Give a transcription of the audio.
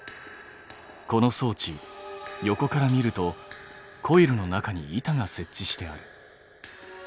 この装置横から見るとコイルの中に板が設置してある。